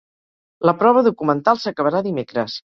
La prova documental s’acabarà dimecres.